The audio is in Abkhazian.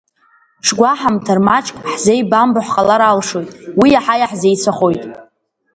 Ҽгәаҳамҭар маҷк, ҳзеибамбо ҳҟалар алшоит, уи иаҳа иаҳзеицәахоит.